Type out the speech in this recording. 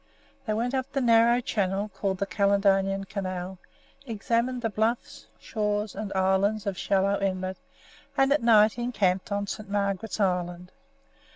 They went up the narrow channel called the Caledonian Canal, examined the bluffs, shores, and islands of Shallow Inlet, and at night encamped on St. Margaret's Island.